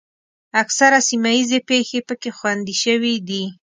اکثره سیمه ییزې پېښې پکې خوندي شوې دي.